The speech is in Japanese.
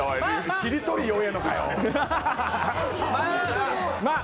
しりとり弱いのかよ。